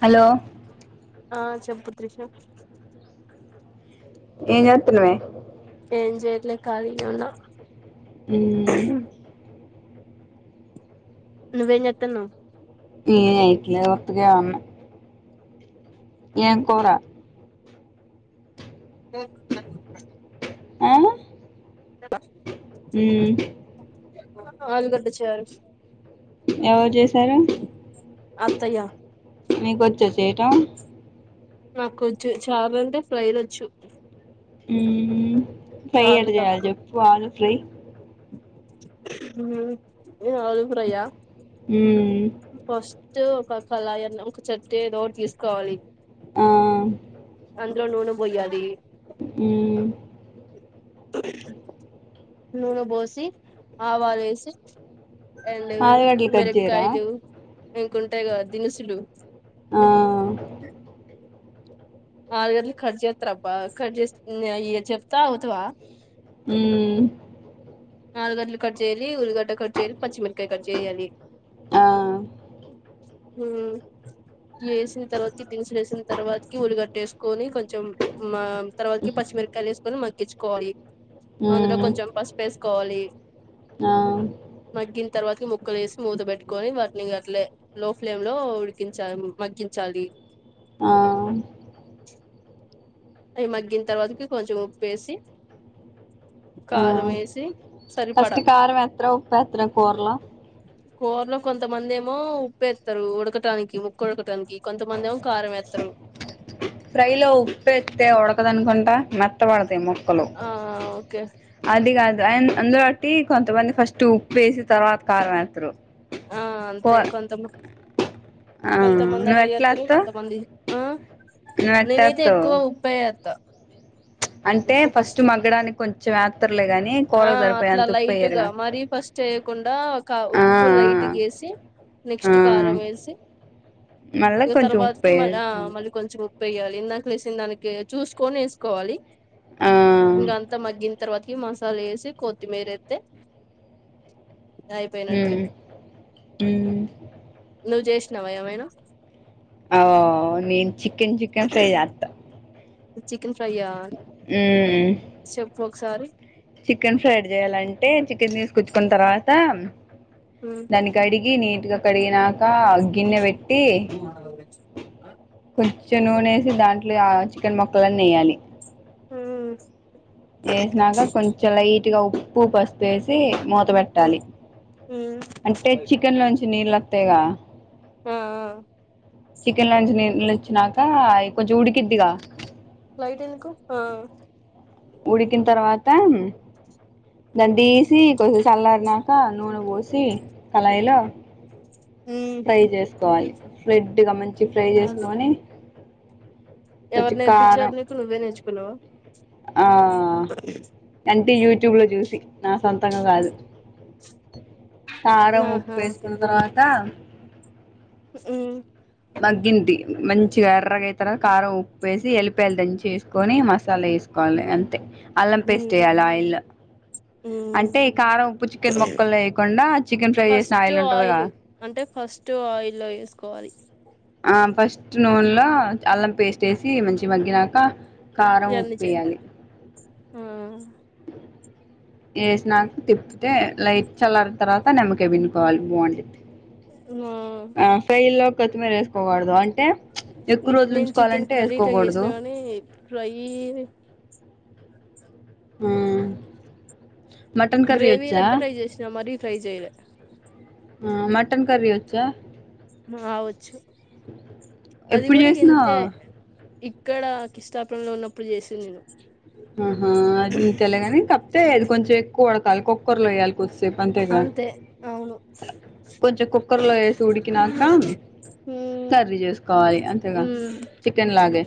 Hello ఆ చెంబత్ర్రిష ఏతునుమే ఏం చేయట్లే కాదిన ఉన్నా హ్మ్ నువ్వేం జేత్తన్నావ్ [unintelligible] ఏం కూరా [unintelligible] ఆ మ్మ్ [unintelligible] ఎవరు చేశారు అత్తయ్య నీకు వచ్చే చేట నాకొచ్చు చారంటే ఫ్రై లొచ్చు ఉమ్ హు ఫ్రై ఎట్ట జేయాలి చెప్పు ఆలు ప్రై ఉమ్ ఆలూ ఫ్రై యా హుమ్ టు ఒక కళాయ్ అన్న ఒక చెట్ ఏదోటి తీసుకోవాలి ఆ అందులో నూనె బొయ్యాలి హుమ్ నూనె బోసి ఆవాలు వేసి ఎండు ఆలుగడ్డలు కట్ చేయరా మిరక్కాయలు ఇంకొం టయ్ గా దినుసులు ఆ ఆలుగడ్లు కట్ చేత్తరప్ప ఖట్ చేస్ నే అయే చెప్తా ఆగుతవా, మ్మ్ ఆలుగడ్లు కట్ చేయాలి, ఉల్లిగడ్డ కట్ చేయాలి, పచ్చిమిరక్కాయ్ కట్ చేయాలి. ఆ హుమ్ వేసిన తర్వాతి దినుసులు వేసిన తర్వాతికి ఉల్లిగడ్డ వేసుకొని కొంచెం మా తర్వాతికి పచ్చిమిరక్కాయలు వేసుకొని మగ్గించుకోవాలి. అందులో మ్మ్ కొంచెం పసుపు వేసు కోవాలి ఆ మగ్గిన తర్వాత ముక్కలు వేసి మూత పెట్టుకొని వాటిని ఇంగఅట్లే లో ఫ్లేమ్ లో ఉడికించాలి మగ్గించాలి. ఆ అవి మగ్గిన తర్వాతకి కొంచెం ఉప్పువేసి ఆ కారం వేసి ఫస్ట్ సరిపడా కారం ఎత్ర ఉప్పు ఎత్ర కూర్లా కూరలో కొంతమంది ఏమో ఉప్పు ఏత్తరు ఉడకటానికి ముక్కు ఉడకటానికి కొంతమంది ఏమో కారం వేత్తరు ఫ్రైలో ఉప్పు వేత్తే ఉడకదనుకుంటా మెత్తబడతయి ము ఆ ఓకే అందుబట్టి కొంతమంది ఫస్ట్ ఉప్పు వేసి తర్వాత కారం వేత్తరు ఆ అంతే కొంత ఆ కొంతమంది నువ్వు అట్లా ఎట్లా చేస్తారు ఎత్తావ్ కొంతమంది ఆ నువ్వు ఎట్ట నేనైతే ఎత్తావ్ ఎక్కువ ఉప్పే యేత్త అంటే ఫస్ట్ మగ్గడానికి కొంచెం వేత్తర్లే గాని ఆ కూరకి అట్లా సరిపోయేంత ఉప్పు లైట్ గా వేయరుగా మరీ ఆ ట్ గేసి ఆ ఆ నెక్స్ట్ కారం వేసి మళ్ళా ఇక కొంచెం ఉప్పు తర్వాతకి మళ్ వేసుకుంటా మళ్ళీ కొంచెం ఉప్పేయాలి ఇందాక వేసిన దానికి చూసుకొని వేసుకోవాలి ఆ ఇంక అంతా మగ్గిన తర్వాత కి మసాలా వేసి కొత్తిమీర ఏత్తే అయిపోయినట్లే మ్మ్ నువ్ చేసినావా ఏమైనా ఆ నేను చికెన్ చికెన్ ఫ్రై చేత్తా చిక్ కన్ ఫ్రై ఆ ఉమ్ చెప్పు సారీ చికెన్ ఫ్రైడ్ చేయ్యాలంటే చికెన్ తీసుకచ్చుకున్న తర్వాత ఉమ్ దాన్ని కడిగి ని నీట్గా కడినా ఇకా గన్నె పెట్టి కొం చ నూనేసి దాంట్లో ఆ చికెన్ ముక్కలన్ని ఎయ్యాలి హ్మ్ ఏసినాక కొంచెం లైట్ గట్టిగా ఉప్పు పసపేసి మూత ఉమ్ పెట్టాలి ఉమ్ అంటే చికెన్ లోంచి నీళ్లోత్తయిగా ఆఆ చికెన్ లోంచి నీళ్లు వచ్చినాక అవి కొంచెం ఉడికిద్గా ఆ ఉడికిన తర్వాత దాన్ని తీసి కొంతసల్లారనా కా నూనె పోసి కళయిలో ఉమ్ ఫ్రై చేసుకోవాలి ఫ్లెడ్గా మంచిగ ఫ్రై అదే చేసుకొని ఎవరు కొంచెం నేర్పించారు కారం నీకు నువ్వే నేర్చుకున్నావా అ ది యూట్యూబ్ లో చూసి నా సొంతంగా కాదు కారం ఆహా ఉప్పు ఏసుకున్న తర్వా త మ్మ్ మగ్గింది మంచిగా ఎర్రగా అయి తర్వాత కారం ఉప్పేసి ఎల్లిపాయలు దంచి ఏసుకొని మసాలా ఏసుకోవాలి అంతే అల్లం పేస్ట్ ఏయాలి ఆయిల్ లో ఉమ్ అంటే కారం ఉప్పు చికెన్ మొక్కల్లో వేయకుండా చికెన్ ఫ్రై చేసిన ఫస్ట్ ఆయిల్ ఉంటది గా అంటే ఫస్ట్ ఆయిల్లో వేసుకోవాలి ఆ ఫస్ట్ నూనెలో అల్లం పేస్ట్ ఏసి మంచిగ మగ్గినాక కారం ఉప్పు ఎన్నిచే వేయాలి ఆ ఏసినాక తిప్పతే లైట్ చల్లారిన తర్వాత నిమ్మకాయ్ పిండుకోవాలి బాగుండుద్ది ఆ కొత్తిమీర వేసుకోకూడదు అంటే ఎక్కువ రోజులు నేను చికెన్ ఉంచుకోవాలంటే కర్రీ ట్రై వేసుకోకూడదు చేసిన గానీ ఫ్రై ఆ మటన్ కర్రీ గ్రేవీ వచ్చా లెక్క ట్రై చేసినా మరి ఫ్రై చేయలే ఆ మటన్ కర్రీ వచ్చా అవచ్చు ఎప్పుడు చేసినా ఇక్కడ కిష్టాపుర లో ఉన్నప్పుడు చేసి నేను ఆహా అది ఇంతలేగాని తప్పతే అది కొంచెం ఎక్కువ ఉడకాలి కుక్కరిలో వయ్యాలి అంతే అవును కొంచెం కుక్కర్లో వేసి ఉడికినాక కర్రీ చేసుకోవాలి అంతేగా చికెన్ లాగే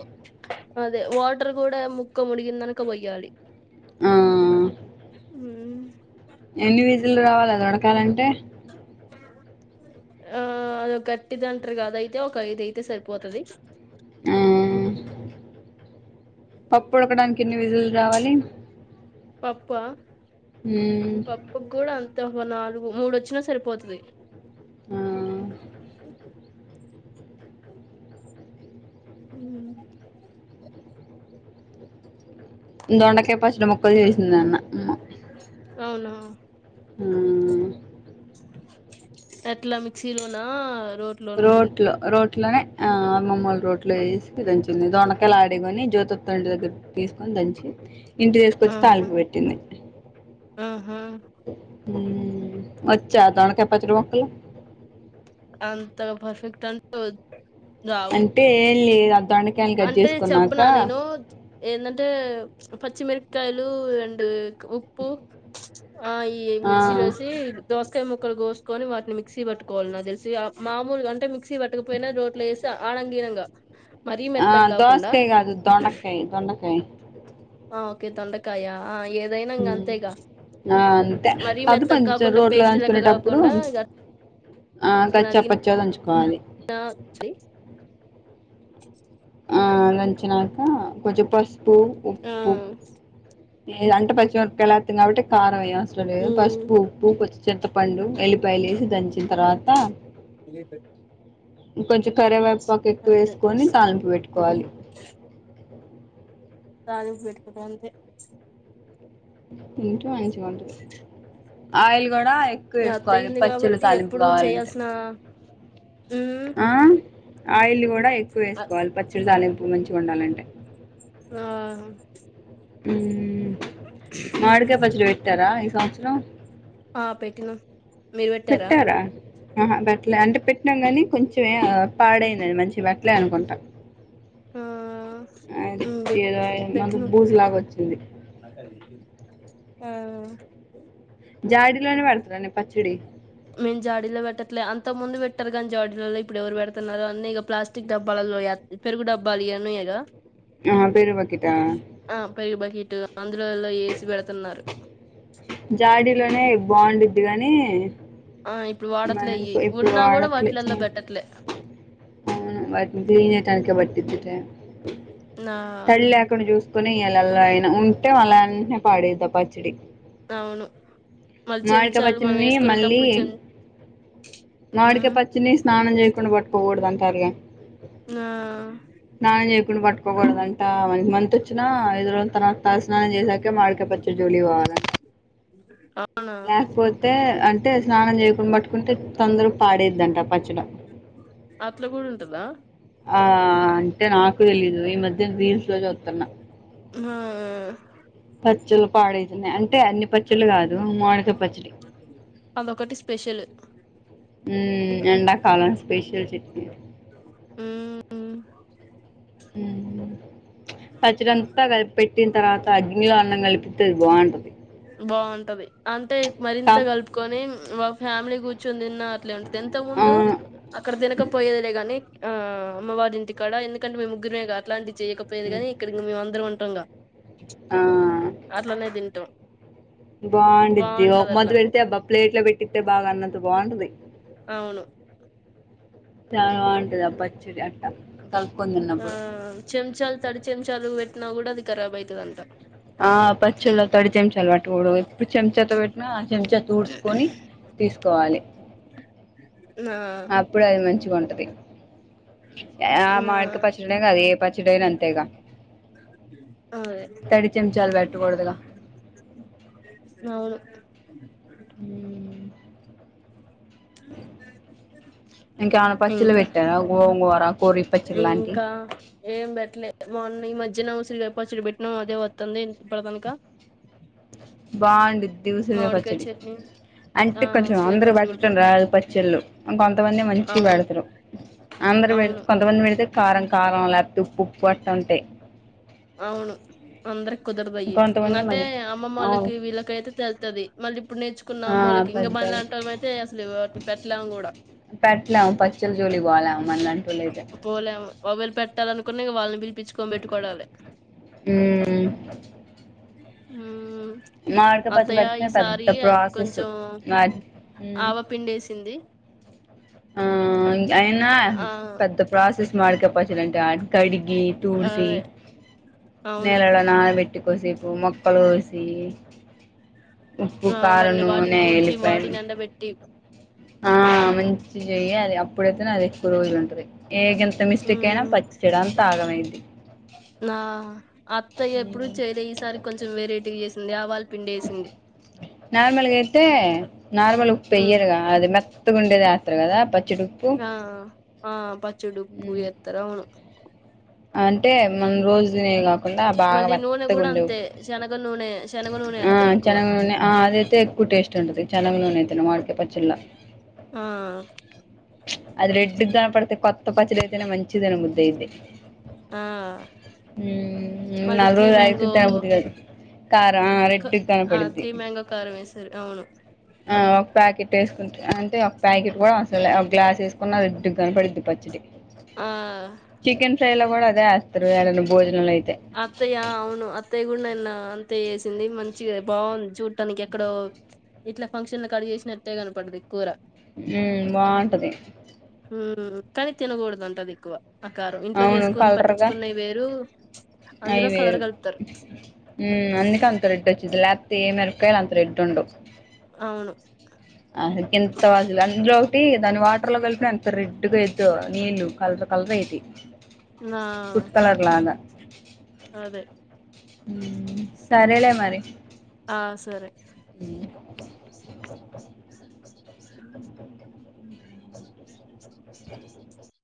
అదే వాటర్ కూడా ము ముక్క ముడిగిందనుక పోయాలి ఆ ఉ ఎనివేరు ఇట్లు రావాల ఉడకాలంటే ఆ అది గట్టిది అంటారు కదా అయితే ఒక ఐద అయితే సరిపోతుంది పప్పు ఉడకడానికి విజిల్ రావాలి పప్పు ఉమ్ పప్పు కూడా అంత నాలుగు మూడు వచ్చినా సరిపోతది [inaudible] [inaudible] ఆ హ దొండకాయ పచ్చిది ముక్కలు చేసింది అ అవునా అ ఏట్ల మిస్స్ లోన రోట్లో రోట్ ఇట్లోనే ఆ మామ్మూలు రోట్లు వేసి దంచింది దొండకాయలు ఆడికొని జ్యోతి ఇట్టి దగ్గర తీసుకొని దంచి ఇంటి చేసుకొచ్చి తాలింపు పెట్టింది అ హా వచ్చా దొండకాయ పచ్చడి ముక్కలు అంతగా పర్ఫెక్ట్ అంట అంటే లెదు అంటే చెప్పునా నేను ఏందన్ టే పచ్చిమిరకాయలు అండ్ ఉప్పు ఆ ఈ ఆ మిక్సీలోసి దోసకాయ ముక్ కోసుకోని వాటిని మిక్సీ పట్టుకోవాలో నాకు తెల్ సి మాములు అంటే మిక్స్ పట్టక వోయిన రోట్లు వేసి ఆనంగఈనంగా ఆ దోసకాయ కాదు దొండకాయ్ దొండకాయ్ ఇ దొండకాయ ఆ ఏదైనా ఇంక అంతేగా ఆ అంతే మరీ అది మెత్తగా కొంచెం కాకుండా రోడ్లో పేస్ట్ లెక్క దంచుకునేటప్పుడు కాకుండా ఇక ఆ కచ్చా పచ్చ గా దంచుకు కాని నాక్ చెయ్ ఆ దంచినాక కొంచెం పస్ ఉప్పుూ ఆ ఉప్పు అంటె పచ్చి మెరపకయలేతాం కాబట్టి కారమేయ స్త తలేద ఉమ్ పసుపు ఉప్పు కొంచమ్ చింతపండు ఎల్లిపాయలు వేసి దంచిన తర్వాత తిని పె ఇంకొంచెం కరివే పాకు ఎక్కువ వేసుకొని తాలింపు పెట్టుకోవాలి తాలింపు పెట్టుకుంటాం అంతె ఇంట్లో అయించవంటది ఆయిల్ కూడా ఎక్కువ ఇగ అత్తయ్య వేసుకోవాలి ఉంది పచ్చళ్ళ కాబట్టి తాలింపు ఎప్పుడు కావాలంటే చేయాల్సిన ఉమ్ ఆ ఆయిల్ కూడ ఎక్కువ ఆ వేసుకోవాలి పచ్చడి తాలింపు మంచిగ వండాలంటె ఆ ఉమ్ మామిడికాయ పచ్చడి పెట్ కుంటారా ఈ సంవత్సరం ఆ పెట్టినమ్ పెట్టారా ఆహ బెట్లే అంటె పెట్టినాం కానీ కొంచెం పాడైందని మంచిగ బెట్లే అనుకుంటా ఆ అయ్ ఏదో అయిన్ది మంది పెట్టినం బూజు లాగా వచ్చింది ఆ జాడిలోనె పెడతారనె పచ్చడి మేము జాడీలొ పెట్టట్లే అంత ముందు పెట్టారు కాని జాడీలలో ఇప్పుడు ఎవరు పెడుతున్నారు అన్నీ ఇక ప్లాస్టిక్ డబ్బాలలో పెరుగు డబ్బాలు ఇవన్నిఎ గా ఆ పెరుగు బకీటా ఆ ఆంధ్రలో ఏసి పెడతన్నారు జాడీలోనె బావుండిద్డి గానీ ఆ ఇప్పుడు వాడట్లే మనం అయి ఇప్పు- ఇప్పుడు ఉన్నా కూడా వాడట్లే చా వాటిలల్లో పెట్టట్లే టానికే బట్టిది టైమ్ నా తడి లేకుండ చూస్ కునిలలో అయినా ఉంటే మళ్ల ఏంటనె పాడైద్ది ఆ పచ్చడి అవును మళ్ళీ మాడికాయ చెంచాలు మనం పచ్చడ్ని మళ్ళీ వేసుకునేటప్పుడు చెం మావిడికాయ మ్ పచ్చడ్ని స్నానం చేయకుండా పట్టుకోకూడదు అం సరేగా నా ఆ పట్కోకూడదంట మనకి మంత్ వచ్చినా ఐదు రోజుల తరువాత తల స్నానం చేసాక మామిడికాయ పచ్చడి జోలికి పోవలె అవునా లేకపోతే అం ట స్నానం చేయకుండా పట్టుకుంటే తొండరగా పాడేద్ంట పచ్చ అట్ల కూడా ఉంటందా ఆ అంటే నాక తెలీదు ఈ మధ్యన రీల్స్‌లో చూస్తున్నా ఆ పచ్చళ్లు పాడేతున్నాయి అంటే అన్ని పచ్చళ్ళ కాదు మాడికాయ పచ్చడి అదొకటి స్పెషల్ ఉమ్ ఎడాకాలం స్పెష్యల్ చట్నీ ఉమ్ ఉ ఉమ్ పచ్చడి అంతా కలిపి పెట్టిన తర్వాత గిన్నెలో అన్నం కల్ బావుంటది అంటే కా మరింత కలుపుకొని వా ఫ్యామిలీ కూర్చొనిన్న అట్లే ఉంటది ఇంథాక్ ముందు అవును అక్కడ తినకపోయేదిలేగాని ఆ అమ్మవారి ఇంటికాడ ఎందుకంటే మీ ముగ్గురిరే క అట్లాంటి చేయకపోదు గానీ ఇకడికి మేమ అరం పంగా నే తింటాం బావుండిది ఓ బాగుంటది మొద అట్లా వెళ్తే అబ్బా ప్లేట్ లో పెట్టితే బాగా అన్నతా బావుంటది అవును చాలా బావుంటది అ పాచ్చడి అ అ ఆ చెంచాలు తడి చెంచాలు బెట్టినా కూడా అది ఖరాబ్బయితాదంట ఆ పచ్చెళ్ళ తడితెంచే అల్వాటు గూడ ఉంది ఎప్పుడు చెంచాతో పెట్టినా ఆ చెంచా ఊడ్స్కొని తీసుకోవాలి ఆ అప్పుడే అది మంచిగుంటది యే ఆ మాడిక పచ్చడేకాదు ఏ పచ్చ చెడైన అంతేగా అదే తడి చెంచాలు పెట్టకూడదుగా [inaudible] హ్మ [inaudible] ఇంకేవన్న పచ్చడ్లు ఇంకా పెట్టవా గోంగో ఇంకా ఏం బెట్టలేదు మార్నింగ్ ఈ మధ్యలో ఉసిరి కాయ పచ్చడి బెట్నాం అదే వత్తాంది ఇప్దాకా ది ఉసిరికాయ పచ్చడి చట్నీ ఆ అంటే కొంచెం ఉసిరికాయ అందరు పచ్చడి కూడా బా పెట్టడం రాదు పచ్చళ్ళు కొంతమంది మంచిగా అవును బెడతారు అందరు పెడితే అవును కొంతమంది పెడితే కారం కారం లేప్తు ఉప్పు ఉప్పుగా అట్టా ఉంటాయ్ [unintelligible] కుదరదయ్ ఇంకొంతమంది అంటే మంచి అమ్మమ్మ అవును వాళ్ళకి వీళ్ళకయితే తెల్తది మళ్ళీ ప్ ఇప్పుడు నేర్చుకున్న ఆ అమ్మోల్లకి, ఇంక మన పెద్దలు లాంటోళ్ళయితే అసలు పెట్టలేము కూడా మనలాం టోలైతే వోవెల్ పెట్టాలనుకున్న ఇగ వాళ్ళు వీళ్ళు ఉమ్ ఉమ్ మామిడికాయ పచ్చడి అత్తయ్య పెట్టడమే ఈసారి పెద్ద ప్రాసెస్ కొంచెం వాటి ఉమ్ ఆవ పిండేసింది ఆ అయినా ఆ పెద్ద ప్రాస్ సెస్ మామిడికయ్ పచ్చడంటే [unintelligible] కడిగి తుడ్సి అదే అవును నీళ్ళల్లో నాన బె టి కోసేపు మొక్కల్‌ కోసి ఉప్పు ఆ కారం మళ్ళి వాటిని నూనె దుడిచి ఎల్లిపాయలు వాటిని ఎండబెట్టి ఆ మంచి చెయ్యి అది అప్పుడైతే అది ఎక్కువ రోజులు ఉంటది ఏ గింత మిస్టేక్ అయినా మ్మ్ పచ్చడంతా ఆగమైది నా అత్త ఎప్పుడు చేయలే ఈసారి కొంచెం వెరైటీగా చేసింది ఆవాల్ పిండేసింది నార్మల్గా అయితే నార్మల్ ఉప్పు ఉమ్ యేయరుగా అది మెత్ త్ ఉండేదే ఎత్తరు కదా పచ్ చిరుప్పు ఆ ఆ పచ్ చుడుప్పు ఎత్తరవును అంటే మనం రోజు తినేయేగా ఉన్న బాగా మళ్ళీ నూనె కూడా మెత్తగుండు అంతే శనగ నూనె శనగ నూనె ఆ ఎత్తరు ఎక్కువ చనగ నూనె అదైతే ఎక్కువ టేస్ట్ ఉంటుంది చనగ నూనె తిన మామిడికాయ్ పచ్చడిలా ఆ అది రెడ్గా కనబడితే కొత్త పచడి అయితేనే మంచిగా తినబుద్దైది ఆ ఉ నాలుగు రోజులు ఆగితే తనబుద్ధికాదు కా త్రీ మ్యాంగో కారం వేస్తారు ఆ ఒక ప్యాకెట్ వేసుకుంటా అంటే ఒక ప్యాకెట్ కూడా అవసరంలే గ్లాస్ వేసుకున్న రెడ్ కనపడతాది పచ్చిడి ఆ చికెన్ ఫ్రైలా కూడా ఆ అదే వేస్తారు యాడన్నా భోజనం లోకి అత్తయ్య అవును అత్తయ్య కూడా నిన్నా అంతే చేసింది మంచిగా బాగుంది చూడటానికి ఎక్కడో ఇట్లా ఫంక్షన్లు క అడుగేసినట్టే కనపడది కూర ఉ బాగుంటది ఉ కానీ తినకూడదు అంట ఆది ఎక్కువ అకారం ఇంట్లో అవును చేసుకొని కలర్గా పట్టించుకున్నాయి వేరు అయి అందులో కలర్ వేరు కలుపుతారు అందుకే అంత రెడ్ వచ్చిది లేపోతే ఈ మిరపకాయలు అంత రెడ్ ఉండవ్ అవును అ ఎంత వాస అందులో ఒకటి దాని వాటర్ లో కలిప అంత రెడ్గాదు నీళ్ళలు కలర్ కలర్ అయిది నా అదే సరేలే మరి ఆ సరే ఉ